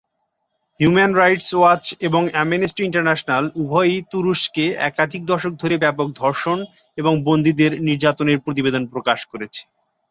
Human Rights Watch এবং Amnesty International উভয়ই তুরস্কে একাধিক দশক ধরে ব্যাপক ধর্ষণ এবং বন্দীদের নির্যাতনের প্রতিবেদন প্রকাশ করেছে।